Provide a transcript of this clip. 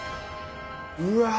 うわ。